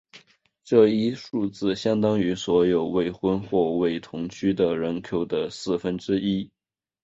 这一数字相当于所有未婚或未同居的人口的四分之一。